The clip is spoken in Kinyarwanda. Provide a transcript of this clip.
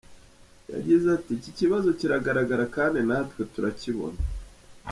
Yagize ati “Iki kibazo kiragaragara kandi natwe turakibona.